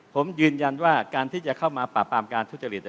ผมยืนยันว่าการที่จะเข้ามาปราบปรามการทุจริต